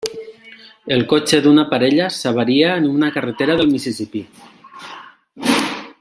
El cotxe d'una parella s'avaria en una carretera del Mississipí.